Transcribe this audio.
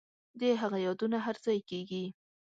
د هغه یادونه هرځای کیږي